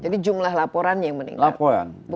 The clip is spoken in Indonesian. jadi jumlah laporan yang meningkat